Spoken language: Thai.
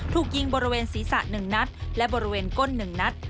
ถูกยิงบริเวณศีรษะ๑นัดและบริเวณก้น๑นัด